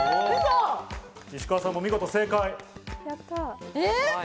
石川さんも見事正解。